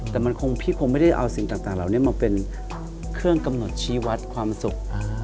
แต่มันคงพี่คงไม่ได้เอาสิ่งต่างเหล่านี้มาเป็นเครื่องกำหนดชี้วัดความสุข